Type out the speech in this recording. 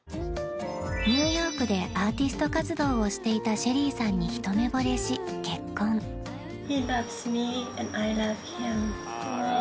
ニューヨークでアーティスト活動をしていたシェリーさんにひと目ぼれし結婚お。